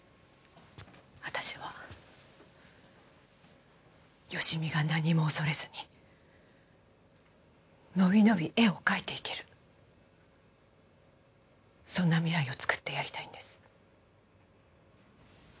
私は好美が何も恐れずにのびのび絵を描いていけるそんな未来を作ってやりたいんです。